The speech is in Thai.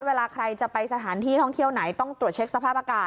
เวลาใครจะไปสถานที่ท่องเที่ยวไหนต้องตรวจเช็คสภาพอากาศ